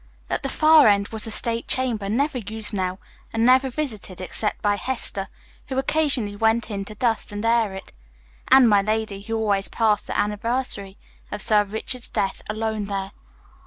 At the far end was the state chamber, never used now, and never visited except by Hester, who occasionally went in to dust and air it, and my lady, who always passed the anniversary of Sir Richard's death alone there.